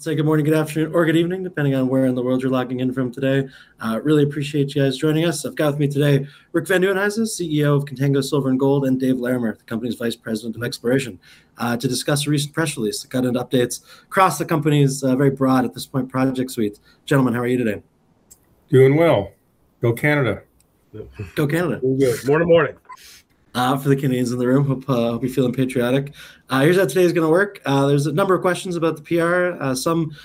Say good morning, good afternoon, or good evening, depending on where in the world you're logging in from today. Really appreciate you guys joining us. I've got with me today Rick Van Nieuwenhuyse, CEO of Contango Silver & Gold, and Dave Larimer, the company's Vice President of Exploration, to discuss a recent press release that got into updates across the company's very broad, at this point, project suites. Gentlemen, how are you today? Doing well. Go Canada. Go Canada. Good morning. For the Canadians in the room, hope you're feeling patriotic. Here's how today's going to work. There's a number of questions about the PR. Some got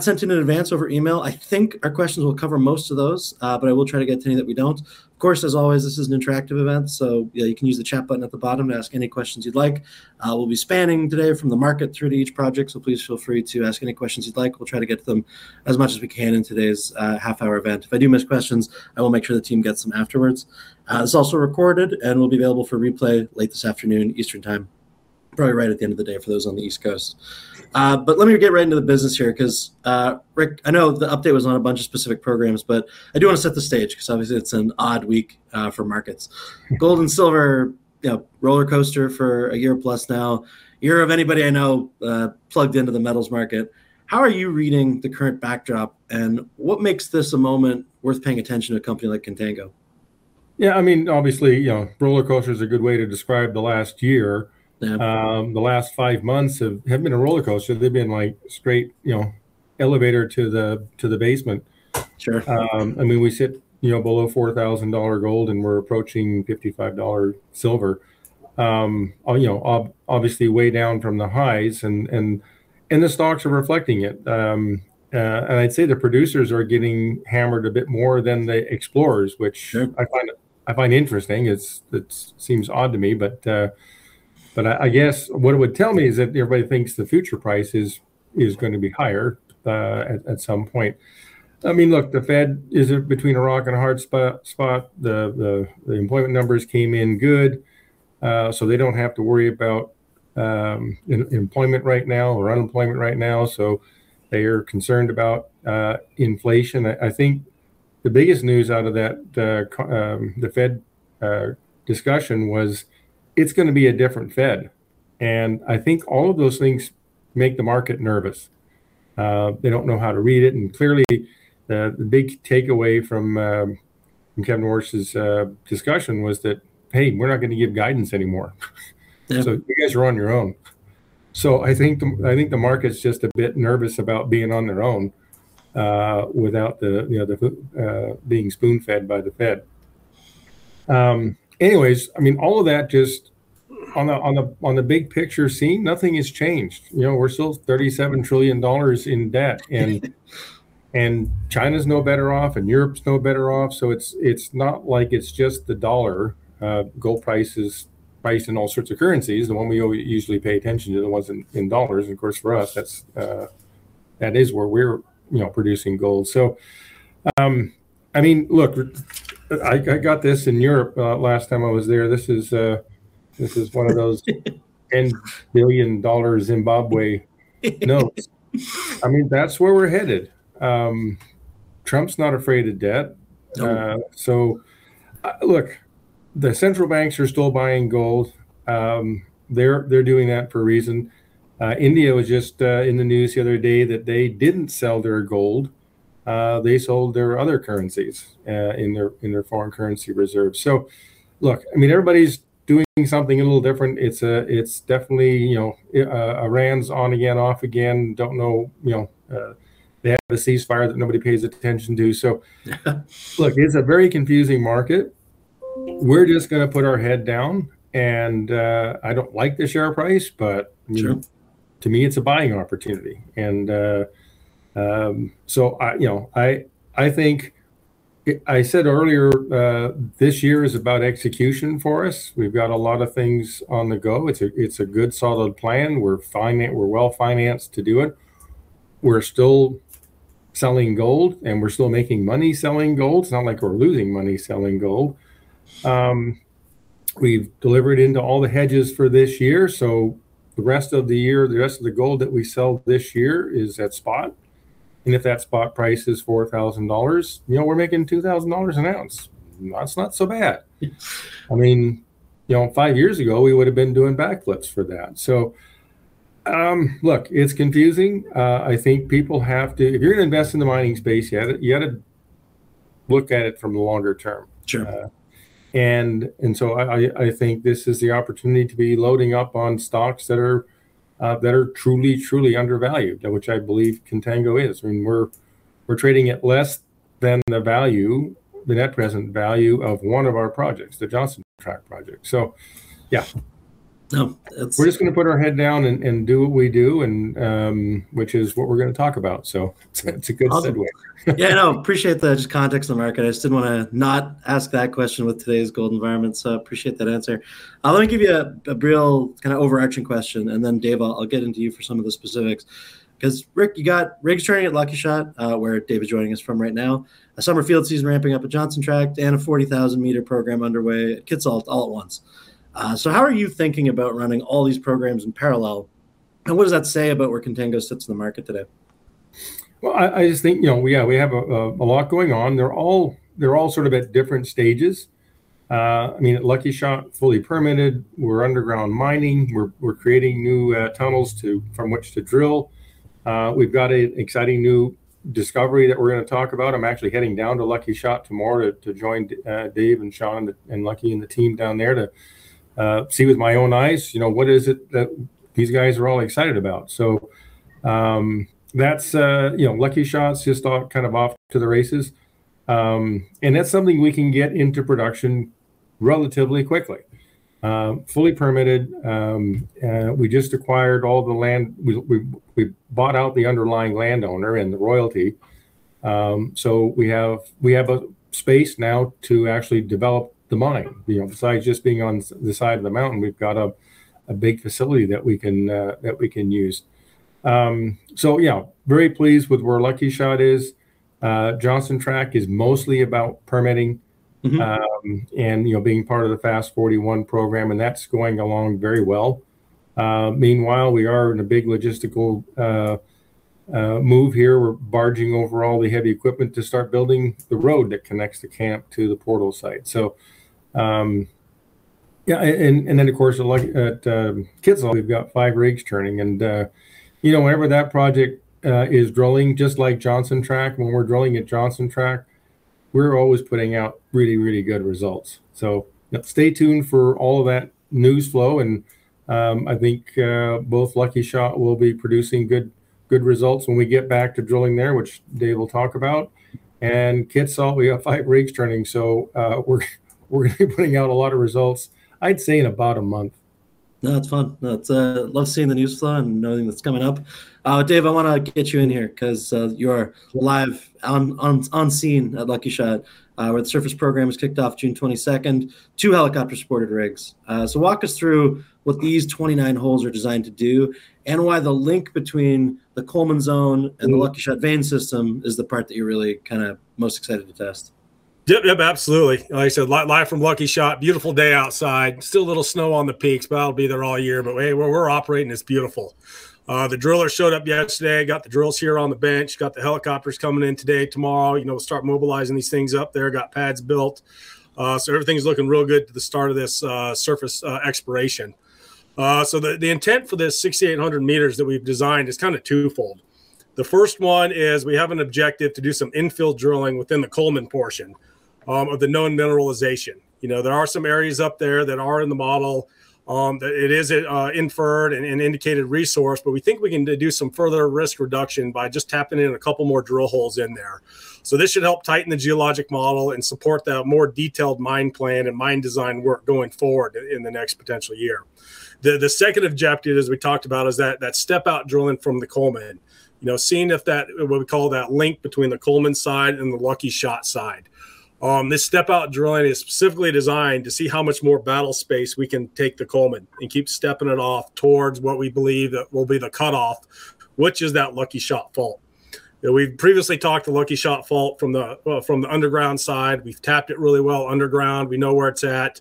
sent in advance over email. I think our questions will cover most of those, but I will try to get to any that we don't. Of course, as always, this is an interactive event, so you can use the chat button at the bottom to ask any questions you'd like. We'll be spanning today from the market through to each project, so please feel free to ask any questions you'd like. We'll try to get to them as much as we can in today's half-hour event. If I do miss questions, I will make sure the team gets them afterwards. It's also recorded and will be available for replay late this afternoon, Eastern Time, probably right at the end of the day for those on the East Coast. Let me get right into the business here because, Rick, I know the update was on a bunch of specific programs, but I do want to set the stage because obviously it's an odd week for markets. Gold and silver rollercoaster for a year plus now. You're of anybody I know plugged into the metals market. How are you reading the current backdrop, and what makes this a moment worth paying attention to a company like Contango? Yeah, obviously, rollercoaster is a good way to describe the last year. Yeah. The last five months haven't been a rollercoaster, they've been like straight elevator to the basement. Sure. We sit below $4,000 gold and we're approaching $55 silver. Obviously way down from the highs and the stocks are reflecting it. I'd say the producers are getting hammered a bit more than the explorers, which- Sure I find interesting. It seems odd to me, I guess what it would tell me is that everybody thinks the future price is going to be higher at some point. Look, the Fed is between a rock and a hard spot. The employment numbers came in good, they don't have to worry about employment right now or unemployment right now. They are concerned about inflation. I think the biggest news out of the Fed discussion was it's going to be a different Fed. I think all of those things make the market nervous. They don't know how to read it, clearly the big takeaway from Kevin Warsh's discussion was that, hey, we're not going to give guidance anymore. Yeah. You guys are on your own. I think the market's just a bit nervous about being on their own, without being spoon-fed by the Fed. Anyways, all of that just on the big picture scene, nothing has changed. We're still $37 trillion in debt and China's no better off and Europe's no better off. It's not like it's just the dollar. Gold price is priced in all sorts of currencies. The one we usually pay attention to are the ones in dollars. Of course, for us, that is where we're producing gold. Look, I got this in Europe last time I was there. This is one of those $10 billion Zimbabwe notes. That's where we're headed. Trump's not afraid of debt. No. Look, the central banks are still buying gold. They're doing that for a reason. India was just in the news the other day that they didn't sell their gold, they sold their other currencies in their foreign currency reserves. Look, everybody's doing something a little different. Iran's on again, off again. Don't know. They have a ceasefire that nobody pays attention to, look, it's a very confusing market. We're just going to put our head down and I don't like the share price but Sure To me, it's a buying opportunity. I think I said earlier, this year is about execution for us. We've got a lot of things on the go. It's a good, solid plan. We're well-financed to do it. We're still selling gold and we're still making money selling gold. It's not like we're losing money selling gold. We've delivered into all the hedges for this year, so the rest of the year, the rest of the gold that we sell this year is at spot. If that spot price is $4,000, we're making $2,000 an ounce. That's not so bad. Yes. Five years ago, we would've been doing back flips for that. Look, it's confusing. If you're going to invest in the mining space, you got to look at it from the longer term. Sure. I think this is the opportunity to be loading up on stocks that are truly undervalued, which I believe Contango is. We're trading at less than the net present value of one of our projects, the Johnson Tract project. Yeah. No, that's. We're just going to put our head down and do what we do, which is what we're going to talk about. It's a good segue. Yeah, no, appreciate the just context on the market. I just didn't want to not ask that question with today's gold environment, appreciate that answer. I want to give you a real overarch question, and then Dave, I'll get into you for some of the specifics because Rick, you got rigs turning at Lucky Shot, where Dave is joining us from right now, a summer field season ramping up at Johnson Tract, and a 40,000-meter program underway at Kitsault all at once. How are you thinking about running all these programs in parallel, and what does that say about where Contango sits in the market today? Well, I just think we have a lot going on. They're all sort of at different stages. At Lucky Shot, fully permitted. We're underground mining. We're creating new tunnels from which to drill. We've got an exciting new discovery that we're going to talk about. I'm actually heading down to Lucky Shot tomorrow to join Dave and Sean and Lucky and the team down there to see with my own eyes, what is it that these guys are all excited about. Lucky Shot's just off to the races. That's something we can get into production relatively quickly. Fully permitted. We just acquired all the land. We bought out the underlying landowner and the royalty. We have a space now to actually develop the mine. Besides just being on the side of the mountain, we've got a big facility that we can use. Yeah, very pleased with where Lucky Shot is. Johnson Tract is mostly about permitting. Being part of the FAST-41 program, that's going along very well. Meanwhile, we are in a big logistical move here. We're barging over all the heavy equipment to start building the road that connects the camp to the portal site. Of course, at Kitsault, we've got five rigs turning. Whenever that project is drilling, just like Johnson Tract, when we're drilling at Johnson Tract, we're always putting out really, really good results. Stay tuned for all of that news flow. I think both Lucky Shot will be producing good results when we get back to drilling there, which Dave will talk about. Kitsault, we got five rigs turning, so we're going to be putting out a lot of results, I'd say in about a month. No, that's fun. Love seeing the news flow and knowing what's coming up. Dave, I want to get you in here because you are live on scene at Lucky Shot, where the surface program was kicked off June 22nd. Two helicopter-supported rigs. Walk us through what these 29 holes are designed to do, and why the link between the Coleman Zone and the Lucky Shot vein system is the part that you're really most excited to test. Yep. Absolutely. Like I said, live from Lucky Shot. Beautiful day outside. Still a little snow on the peaks, but that'll be there all year. Where we're operating, it's beautiful. The drillers showed up yesterday, got the drills here on the bench, got the helicopters coming in today, tomorrow. We'll start mobilizing these things up there. Got pads built. Everything's looking real good to the start of this surface exploration. The intent for this 6,800 meters that we've designed is twofold. The first one is we have an objective to do some infill drilling within the Coleman portion of the known mineralization. There are some areas up there that are in the model that it is inferred and indicated resource. We think we can do some further risk reduction by just tapping in a couple more drill holes in there. This should help tighten the geologic model and support that more detailed mine plan and mine design work going forward in the next potential year. The second objective, as we talked about, is that step-out drilling from the Coleman. Seeing what we call that link between the Coleman side and the Lucky Shot side. This step-out drilling is specifically designed to see how much more battle space we can take to Coleman, and keep stepping it off towards what we believe that will be the cutoff, which is that Lucky Shot Fault. We've previously talked the Lucky Shot Fault from the underground side. We've tapped it really well underground. We know where it's at.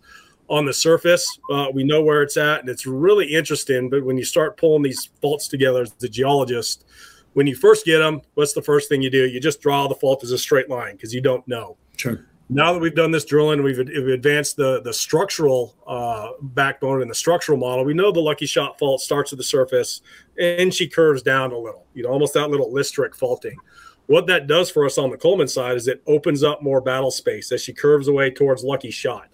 On the surface, we know where it's at, and it's really interesting. When you start pulling these faults together as the geologist, when you first get them, what's the first thing you do? You just draw the fault as a straight line because you don't know. Sure. Now that we've done this drilling, we've advanced the structural backbone and the structural model. We know the Lucky Shot fault starts at the surface. She curves down a little. Almost that little listric faulting. What that does for us on the Coleman side is it opens up more battle space as she curves away towards Lucky Shot.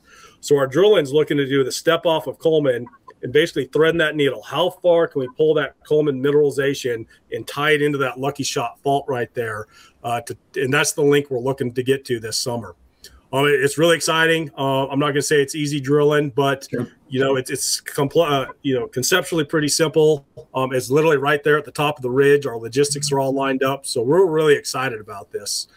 Our drilling's looking to do the step-off of Coleman and basically thread that needle. How far can we pull that Coleman mineralization and tie it into that Lucky Shot fault right there? That's the link we're looking to get to this summer. It's really exciting. I'm not going to say it's easy drilling. Sure It's conceptually pretty simple. It's literally right there at the top of the ridge. Our logistics are all lined up. We're really excited about this.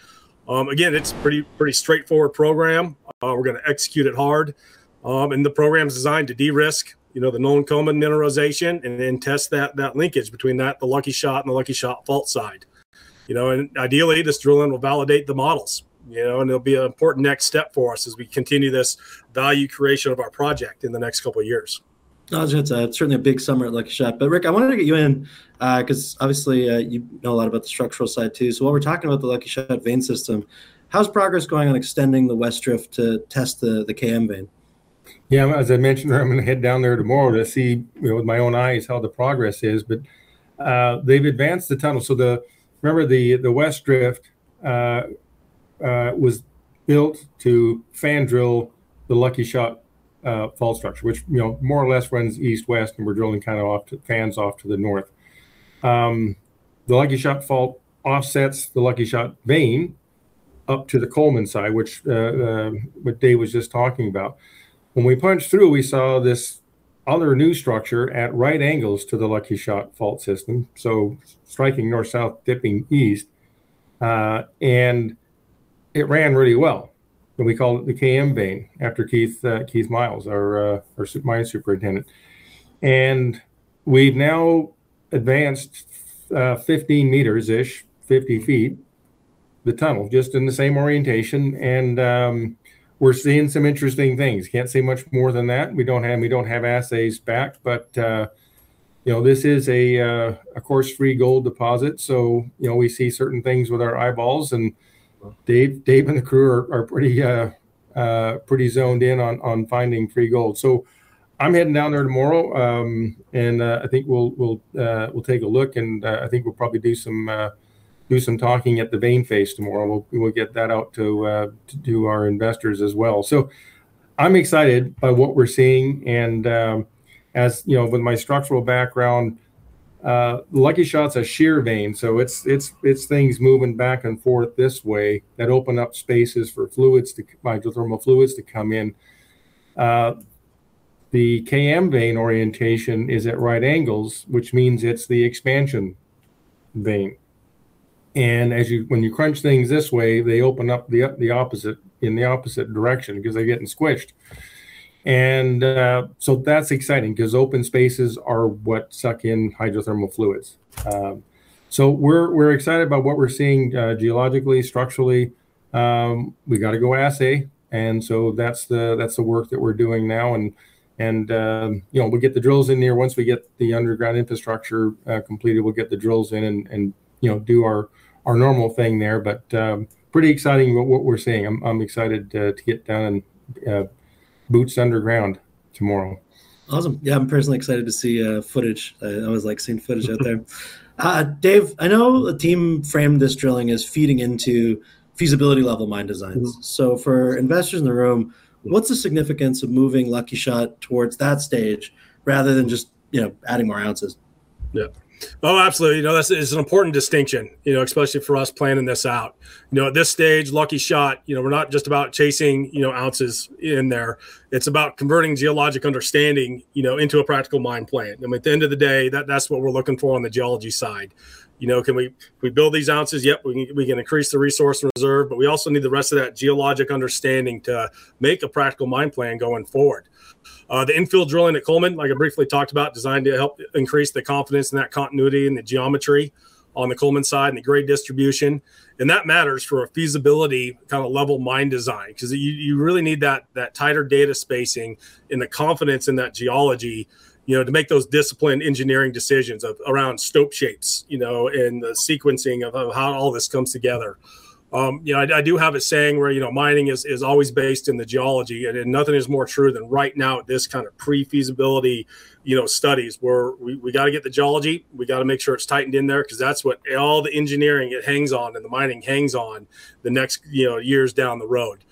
Again, it's a pretty straightforward program. We're going to execute it hard. The program's designed to de-risk the known Coleman mineralization and then test that linkage between that, the Lucky Shot, and the Lucky Shot Fault side. Ideally, this drilling will validate the models. It'll be an important next step for us as we continue this value creation of our project in the next couple of years. No, it's certainly a big summer at Lucky Shot. Rick, I wanted to get you in because obviously you know a lot about the structural side, too. While we're talking about the Lucky Shot vein system, how's progress going on extending the West Drift to test the KM Vein? Yeah, as I mentioned, I'm going to head down there tomorrow to see with my own eyes how the progress is. They've advanced the tunnel. Remember the West Drift was built to fan drill the Lucky Shot Fault structure, which more or less runs east-west, and we're drilling fans off to the north. The Lucky Shot Fault offsets the Lucky Shot Vein up to the Coleman side, which Dave Larimer was just talking about. When we punched through, we saw this other new structure at right angles to the Lucky Shot Fault system, striking north-south, dipping east. It ran really well. We call it the KM Vein after Keith Miles, my superintendent. We've now advanced 15 meters-ish, 50 feet, the tunnel, just in the same orientation. We're seeing some interesting things. Can't say much more than that. We don't have assays back, but this is a coarse free gold deposit. We see certain things with our eyeballs, and Dave and the crew are pretty zoned in on finding free gold. I'm heading down there tomorrow. I think we'll take a look and I think we'll probably do some talking at the vein face tomorrow. We'll get that out to do our investors as well. I'm excited by what we're seeing and with my structural background, Lucky Shot's a shear vein, so it's things moving back and forth this way that open up spaces for fluids, hydrothermal fluids to come in. The KM Vein orientation is at right angles, which means it's the expansion vein. When you crunch things this way, they open up in the opposite direction because they're getting squished. That's exciting because open spaces are what suck in hydrothermal fluids. We're excited about what we're seeing geologically, structurally. We got to go assay, that's the work that we're doing now. We'll get the drills in there. Once we get the underground infrastructure completed, we'll get the drills in and do our normal thing there, pretty exciting what we're seeing. I'm excited to get down and boots underground tomorrow. Awesome. Yeah, I'm personally excited to see footage. I always like seeing footage out there. Dave, I know the team framed this drilling as feeding into feasibility level mine designs. For investors in the room, what's the significance of moving Lucky Shot towards that stage rather than just adding more ounces? Yeah. Oh, absolutely. That's an important distinction, especially for us planning this out. At this stage, Lucky Shot, we're not just about chasing ounces in there. It's about converting geologic understanding into a practical mine plan. At the end of the day, that's what we're looking for on the geology side. Can we build these ounces? Yep. We can increase the resource and reserve, but we also need the rest of that geologic understanding to make a practical mine plan going forward. The infill drilling at Coleman, like I briefly talked about, designed to help increase the confidence in that continuity and the geometry on the Coleman side and the grade distribution. That matters for a feasibility level mine design because you really need that tighter data spacing and the confidence in that geology to make those disciplined engineering decisions around stope shapes, and the sequencing of how all this comes together. I do have a saying where mining is always based in the geology, and nothing is more true than right now at this kind of pre-feasibility study where we got to get the geology, we got to make sure it's tightened in there because that's what all the engineering hangs on and the mining hangs on the next years down the road.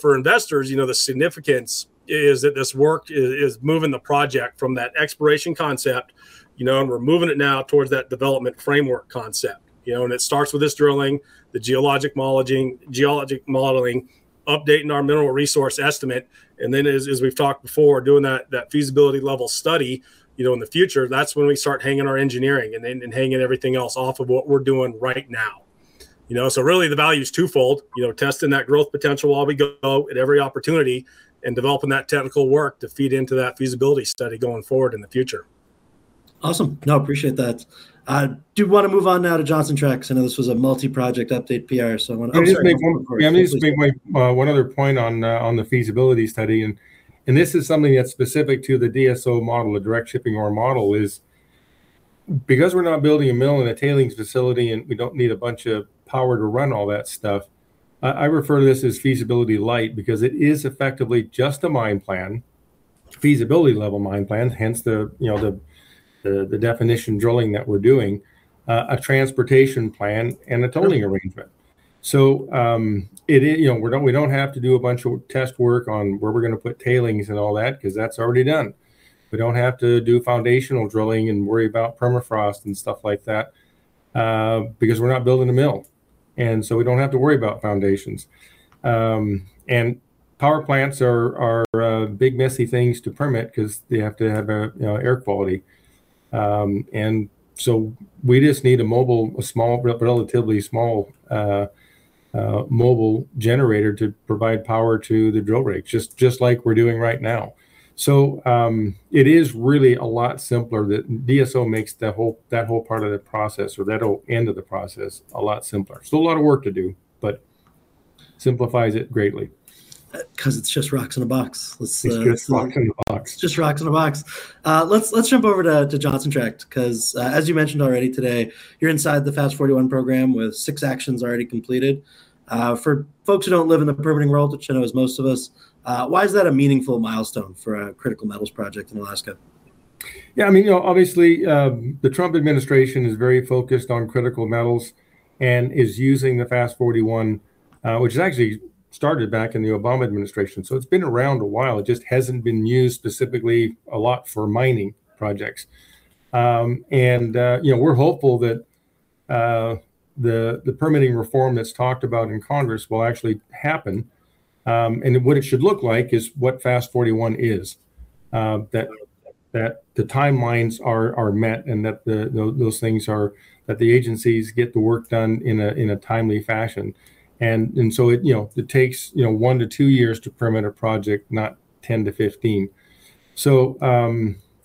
For investors, the significance is that this work is moving the project from that exploration concept, and we're moving it now towards that development framework concept. It starts with this drilling, the geologic modeling, updating our Mineral Resource Estimate, and then as we've talked before, doing that feasibility level study in the future. That's when we start hanging our engineering and hanging everything else off of what we're doing right now. Really the value is twofold. Testing that growth potential while we go at every opportunity and developing that technical work to feed into that feasibility study going forward in the future. Awesome. No, appreciate that. Do want to move on now to Johnson Tract because I know this was a multi-project update PR, so I want to- Let me just make one- Of course, please Let me just make one other point on the feasibility study, and this is something that's specific to the DSO model, the direct shipping ore model is because we're not building a mill and a tailings facility, and we don't need a bunch of power to run all that stuff, I refer to this as feasibility light because it is effectively just a mine plan, feasibility level mine plan, hence the definition drilling that we're doing, a transportation plan, and a tolling arrangement. We don't have to do a bunch of test work on where we're going to put tailings and all that because that's already done. We don't have to do foundational drilling and worry about permafrost and stuff like that, because we're not building a mill. We don't have to worry about foundations. Power plants are big messy things to permit because they have to have air quality. We just need a relatively small mobile generator to provide power to the drill rig, just like we're doing right now. It is really a lot simpler. The DSO makes that whole part of the process or that whole end of the process a lot simpler. Still a lot of work to do, but simplifies it greatly. It's just rocks in a box. It's just rocks in a box. Just rocks in a box. Let's jump over to Johnson Tract because, as you mentioned already today, you're inside the FAST-41 program with six actions already completed. For folks who don't live in the permitting world, which I know is most of us, why is that a meaningful milestone for a critical metals project in Alaska? Obviously, the Trump administration is very focused on critical metals and is using the FAST-41, which actually started back in the Obama administration. It's been around a while. It just hasn't been used specifically a lot for mining projects. We're hopeful that the permitting reform that's talked about in Congress will actually happen. What it should look like is what FAST-41 is. That the timelines are met and that the agencies get the work done in a timely fashion. It takes 1-2 years to permit a project, not 10-15.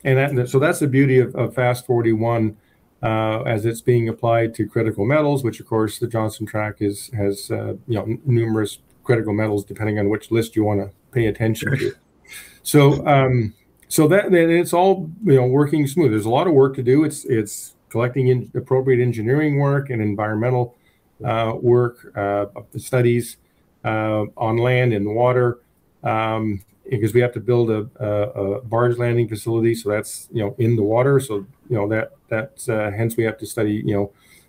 That's the beauty of FAST-41 as it's being applied to critical metals, which of course the Johnson Tract has numerous critical metals depending on which list you want to pay attention to. It's all working smooth. There's a lot of work to do. It's collecting appropriate engineering work and environmental work, the studies on land and water, because we have to build a barge landing facility, so that's in the water. Hence we have to study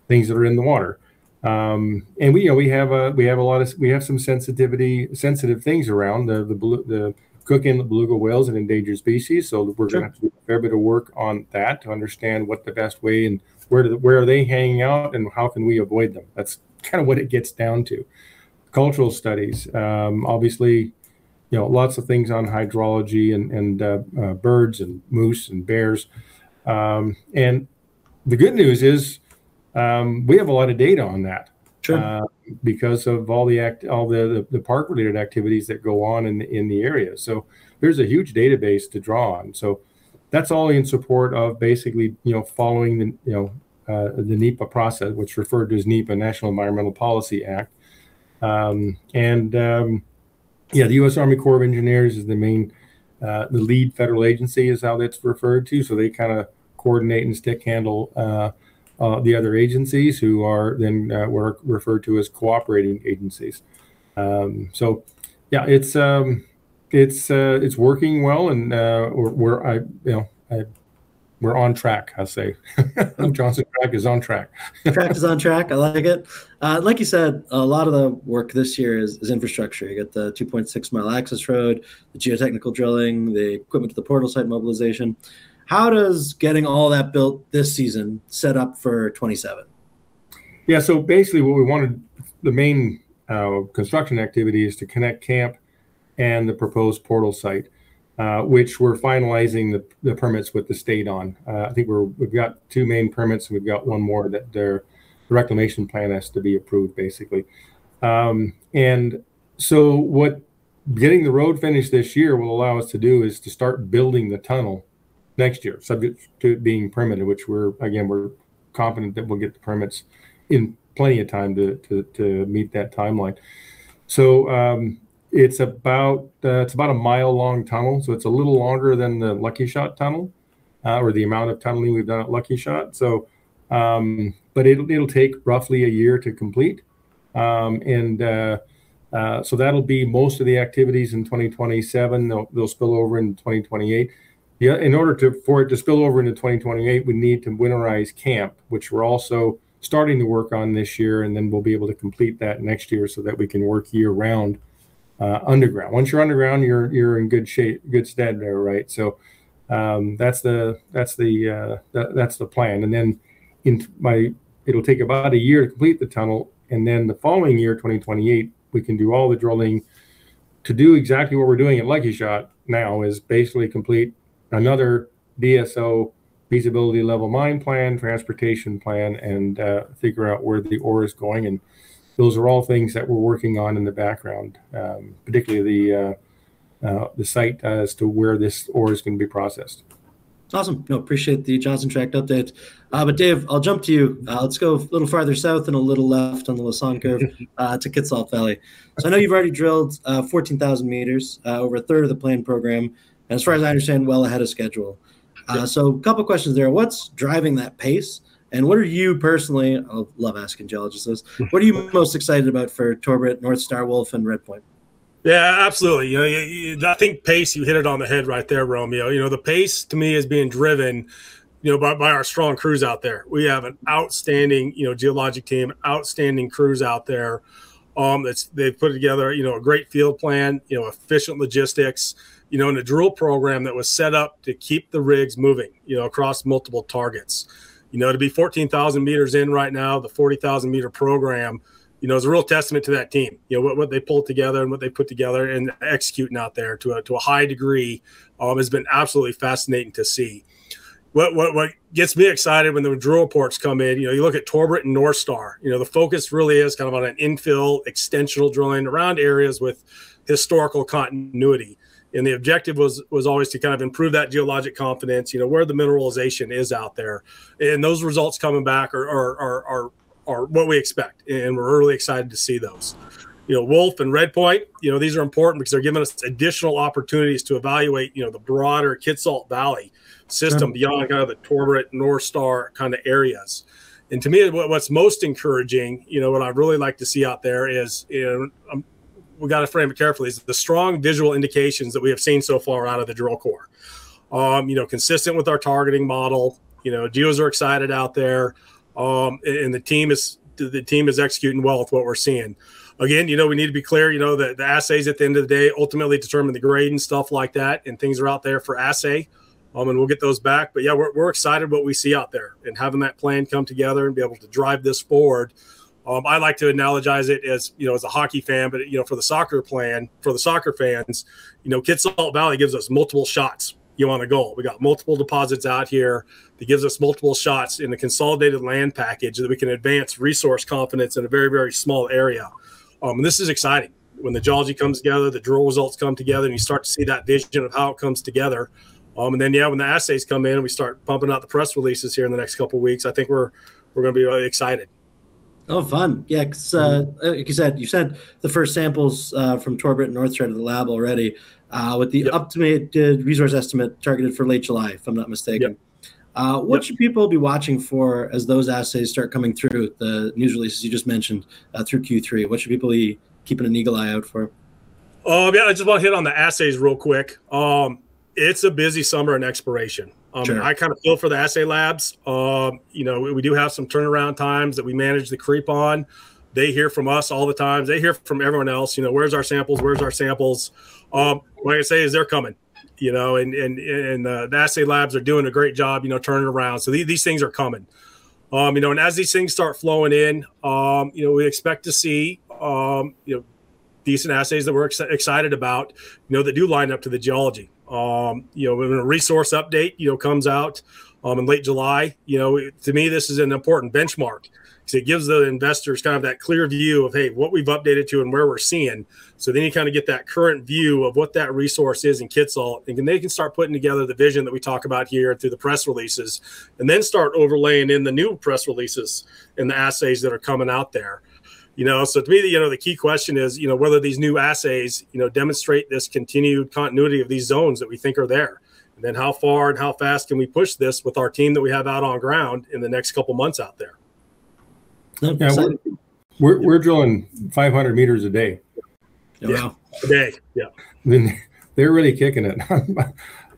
things that are in the water. We have some sensitive things around. The Cook Inlet beluga whale is an endangered species- Sure We're going to have to do a fair bit of work on that to understand what the best way and where are they hanging out and how can we avoid them. That's what it gets down to. Cultural studies. Obviously, lots of things on hydrology and birds and moose and bears. The good news is we have a lot of data on that- Sure because of all the park related activities that go on in the area. There's a huge database to draw on. That's all in support of basically following the NEPA process, which is referred to as NEPA, National Environmental Policy Act. The U.S. Army Corps of Engineers is the lead federal agency, is how that's referred to, so they coordinate and stick handle the other agencies who are then referred to as cooperating agencies. Yeah, it's working well and we're on track, I'd say. Johnson Tract is on track. Track is on track. I like it. Like you said, a lot of the work this year is infrastructure. You got the 2.6 mile access road, the geotechnical drilling, the equipment to the portal site mobilization. How does getting all that built this season set up for 2027? Basically the main construction activity is to connect camp and the proposed portal site, which we're finalizing the permits with the state on. I think we've got two main permits, and we've got one more that their reclamation plan has to be approved, basically. What getting the road finished this year will allow us to do is to start building the tunnel next year, subject to being permitted, which again, we're confident that we'll get the permits in plenty of time to meet that timeline. It's about a mile long tunnel, so it's a little longer than the Lucky Shot tunnel or the amount of tunneling we've done at Lucky Shot. It'll take roughly a year to complete. That'll be most of the activities in 2027. They'll spill over into 2028. In order for it to spill over into 2028, we need to winterize camp, which we're also starting to work on this year, and then we'll be able to complete that next year so that we can work year-round underground. Once you're underground, you're in good stead there, right? That's the plan. Then it'll take about a year to complete the tunnel, and then the following year, 2028, we can do all the drilling to do exactly what we're doing at Lucky Shot now, is basically complete another DSO feasibility level mine plan, transportation plan, and figure out where the ore is going. Those are all things that we're working on in the background, particularly the site as to where this ore is going to be processed. That's awesome. Appreciate the Johnson Tract update. Dave, I'll jump to you. Let's go a little farther south and a little left on the map to Kitsault Valley. I know you've already drilled 14,000 meters, over a third of the planned program, and as far as I understand, well ahead of schedule. Yeah. What's driving that pace, and what are you personally, I love asking geologists this, what are you most excited about for Torbrit, North Star, Wolf, and Red Point? Absolutely. I think pace, you hit it on the head right there, Romeo. The pace to me is being driven by our strong crews out there. We have an outstanding geologic team, outstanding crews out there. They've put together a great field plan, efficient logistics, and a drill program that was set up to keep the rigs moving across multiple targets. To be 14,000 meters in right now of the 40,000-meter program is a real testament to that team. What they pulled together and what they put together and executing out there to a high degree has been absolutely fascinating to see. What gets me excited when the drill reports come in, you look at Torbrit and North Star. The focus really is on an infill extensional drilling around areas with historical continuity. The objective was always to improve that geologic confidence, where the mineralization is out there. Those results coming back are what we expect, and we're really excited to see those. Wolf and Red Point, these are important because they're giving us additional opportunities to evaluate the broader Kitsault Valley system. Yeah Beyond the Torbrit, North Star areas. To me, what's most encouraging, what I really like to see out there is, we've got to frame it carefully, is the strong visual indications that we have seen so far out of the drill core. Consistent with our targeting model. Geos are excited out there. The team is executing well with what we're seeing. Again, we need to be clear, the assays at the end of the day ultimately determine the grade and stuff like that, and things are out there for assay. We'll get those back. Yeah, we're excited what we see out there and having that plan come together and be able to drive this forward. I like to analogize it as a hockey fan, but for the soccer fans, Kitsault Valley gives us multiple shots on a goal. We got multiple deposits out here. It gives us multiple shots in the consolidated land package that we can advance resource confidence in a very, very small area. This is exciting. When the geology comes together, the drill results come together, you start to see that vision of how it comes together. When the assays come in and we start pumping out the press releases here in the next couple of weeks, I think we're going to be really excited Oh, fun. Yeah, because like you said, you sent the first samples from Torbrit North straight to the lab already. Yep updated resource estimate targeted for late July, if I'm not mistaken. Yep. What should people be watching for as those assays start coming through the news releases you just mentioned through Q3? What should people be keeping an eagle eye out for? I just want to hit on the assays real quick. It's a busy summer in exploration. Sure. I feel for the assay labs. We do have some turnaround times that we manage to creep on. They hear from us all the time. They hear from everyone else, "Where's our samples? Where's our samples?" What I can say is they're coming, and the assay labs are doing a great job turning around. These things are coming. As these things start flowing in, we expect to see decent assays that we're excited about that do line up to the geology. When a resource update comes out in late July, to me this is an important benchmark because it gives the investors that clear view of, hey, what we've updated to and where we're seeing. You get that current view of what that resource is in Kitsault, they can start putting together the vision that we talk about here through the press releases, start overlaying in the new press releases and the assays that are coming out there. To me, the key question is whether these new assays demonstrate this continued continuity of these zones that we think are there, how far and how fast can we push this with our team that we have out on the ground in the next couple of months out there. That'd be exciting. We're drilling 500 meters a day. Wow. A day. Yeah. They're really kicking it.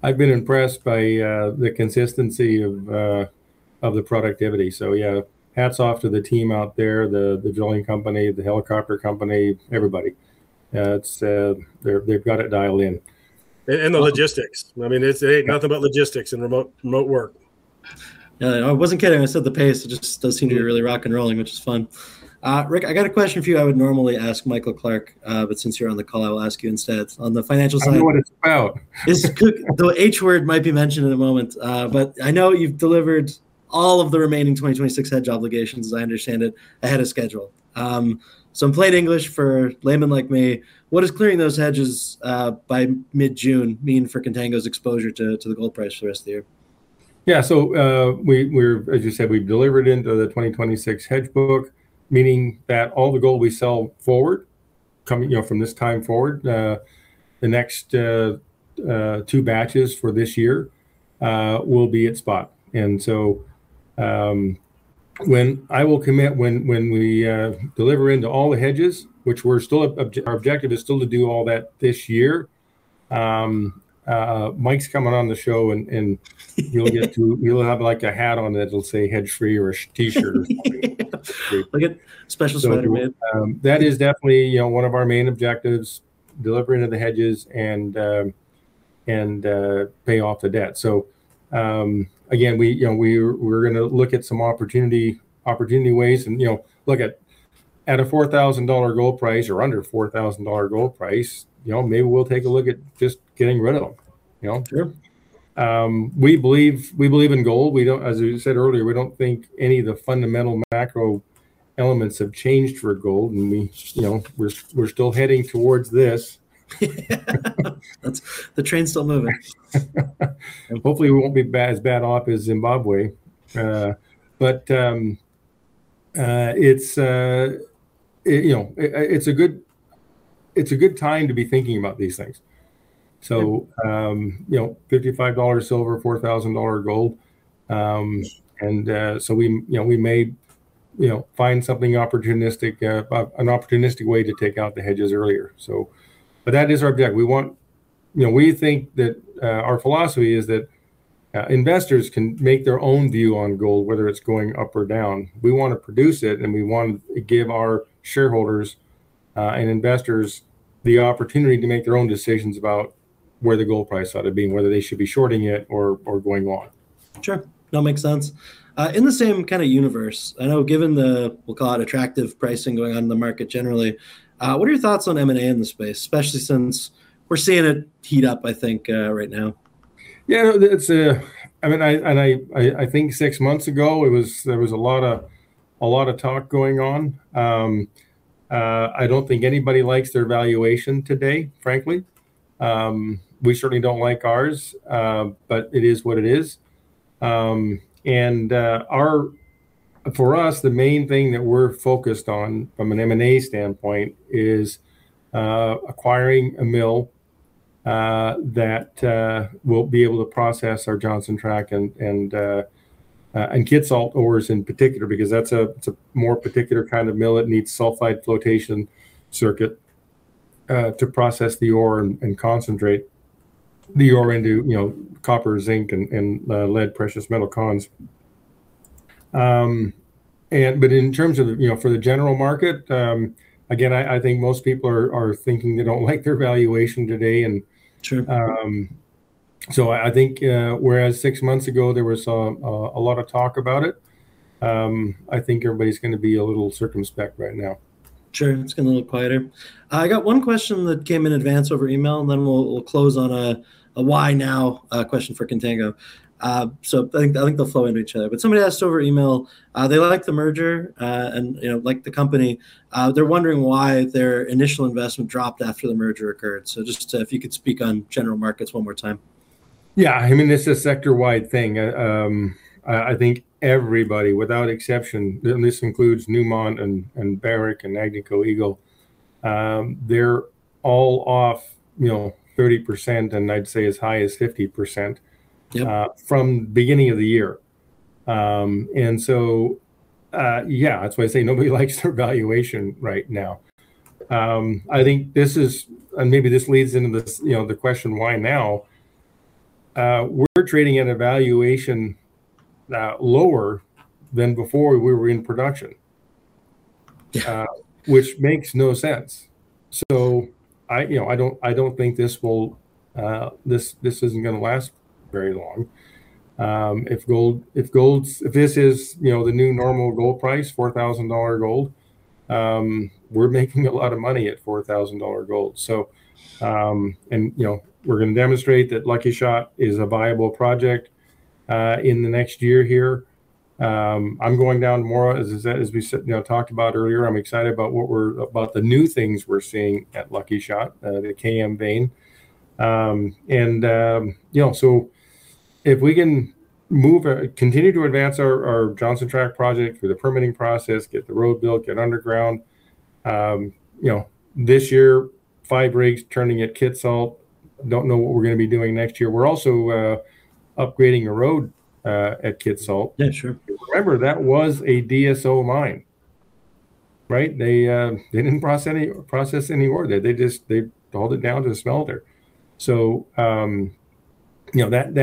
I've been impressed by the consistency of the productivity. Yeah, hats off to the team out there, the drilling company, the helicopter company, everybody. They've got it dialed in. The logistics. It ain't nothing but logistics in remote work. I wasn't kidding when I said the pace. It just does seem to be really rock and rolling, which is fun. Rick, I got a question for you I would normally ask Michael Clark, but since you're on the call, I will ask you instead. On the financial side- I know what it's about. The H word might be mentioned in a moment. I know you've delivered all of the remaining 2026 hedge obligations, as I understand it, ahead of schedule. In plain English for a layman like me, what does clearing those hedges by mid-June mean for Contango's exposure to the gold price for the rest of the year? Yeah. As you said, we've delivered into the 2026 hedge book, meaning that all the gold we sell forward, from this time forward, the next two batches for this year will be at spot. I will commit when we deliver into all the hedges, which our objective is still to do all that this year. Mike's coming on the show, you'll have a hat on that'll say, "Hedge free" or a T-shirt or something. He'll get special sweater made. That is definitely one of our main objectives, delivering into the hedges and pay off the debt. Again, we're going to look at some opportunity ways and look at a $4,000 gold price or under $4,000 gold price, maybe we'll take a look at just getting rid of them. Sure. We believe in gold. As we said earlier, we don't think any of the fundamental macro elements have changed for gold, and we're still heading towards this. The train's still moving. Hopefully we won't be as bad off as Zimbabwe. It's a good time to be thinking about these things. Yeah. 55 silver, $4,000 gold, we may find something opportunistic, an opportunistic way to take out the hedges earlier. That is our objective. Our philosophy is that investors can make their own view on gold, whether it's going up or down. We want to produce it, and we want to give our shareholders and investors the opportunity to make their own decisions about where the gold price ought to be, and whether they should be shorting it or going long. Sure. It makes sense. In the same universe, I know given the, we'll call it attractive pricing going on in the market generally, what are your thoughts on M&A in the space? Especially since we're seeing it heat up, I think, right now. I think six months ago there was a lot of talk going on. I don't think anybody likes their valuation today, frankly. We certainly don't like ours, it is what it is. For us, the main thing that we're focused on from an M&A standpoint is acquiring a mill that will be able to process our Johnson Tract and Kitsault ores in particular, because that's a more particular kind of mill that needs sulfide flotation circuit to process the ore and concentrate the ore into copper, zinc, and lead precious metal concentrates. In terms of for the general market, again, I think most people are thinking they don't like their valuation today. Sure I think whereas six months ago there was a lot of talk about it, I think everybody's going to be a little circumspect right now. Sure, it's going to look quieter. I got one question that came in advance over email, and then we'll close on a why now question for Contango. I think they'll flow into each other, but somebody asked over email, they like the merger, and like the company. They're wondering why their initial investment dropped after the merger occurred. Just if you could speak on general markets one more time. Yeah. I mean, this is a sector-wide thing. I think everybody without exception, this includes Newmont, Barrick, Agnico Eagle, they're all off 30%, and I'd say as high as 50%. Yep From beginning of the year. Yeah, that's why I say nobody likes their valuation right now. Maybe this leads into the question, why now? We're trading at a valuation lower than before we were in production. Yeah. Which makes no sense. I don't think this isn't going to last very long. If this is the new normal gold price, $4,000 gold, we're making a lot of money at $4,000 gold. We're going to demonstrate that Lucky Shot is a viable project in the next year here. I'm going down more, as we talked about earlier. I'm excited about the new things we're seeing at Lucky Shot, the KM vein. If we can continue to advance our Johnson Tract project through the permitting process, get the road built, get underground. This year, five rigs turning at Kitsault. Don't know what we're going to be doing next year. We're also upgrading a road at Kitsault. Yeah, sure. Remember, that was a DSO mine, right? They didn't process any ore there. They hauled it down to the smelter. That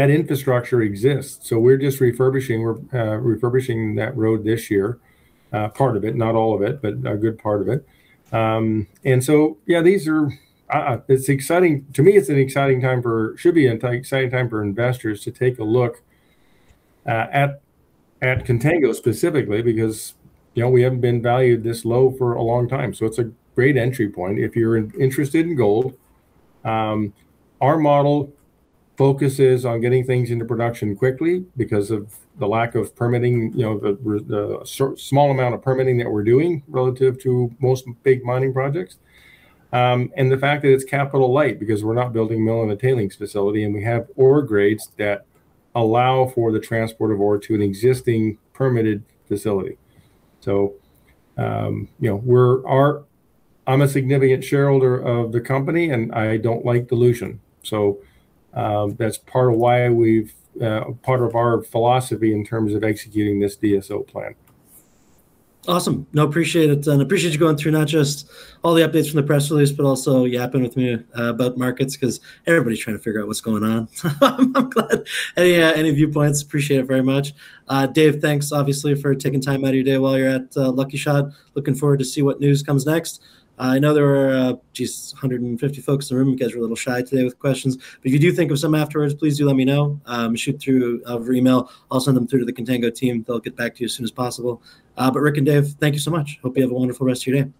infrastructure exists. We're just refurbishing that road this year. Part of it, not all of it, but a good part of it. Yeah, to me, it should be an exciting time for investors to take a look at Contango specifically because we haven't been valued this low for a long time. It's a great entry point if you're interested in gold. Our model focuses on getting things into production quickly because of the lack of permitting, the small amount of permitting that we're doing relative to most big mining projects. The fact that it's capital light because we're not building a mill and a tailings facility, and we have ore grades that allow for the transport of ore to an existing permitted facility. I'm a significant shareholder of the company, and I don't like dilution. That's part of our philosophy in terms of executing this DSO plan. Awesome. No, appreciate it. Appreciate you going through not just all the updates from the press release, but also yapping with me about markets because everybody's trying to figure out what's going on. I'm glad. Any viewpoints, appreciate it very much. Dave, thanks obviously for taking time out of your day while you're at Lucky Shot. Looking forward to see what news comes next. I know there are just 150 folks in the room. You guys were a little shy today with questions. If you do think of some afterwards, please do let me know. Shoot through over email. I'll send them through to the Contango team. They'll get back to you as soon as possible. Rick and Dave, thank you so much. Hope you have a wonderful rest of your day.